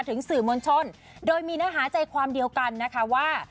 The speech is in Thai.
ถึงสื่อมวลชนโดยมีเนื้อหาใจความเดียวกันนะคะว่า